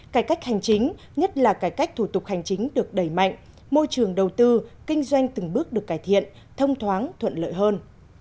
cải cách hành chính nhất là cải cách thủ tục hành chính được đẩy mạnh môi trường đầu tư kinh doanh từng bước được cải thiện thông thoáng thuận lợi hơn